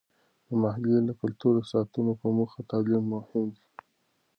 د محلي کلتور د ساتلو په موخه تعلیم مهم دی.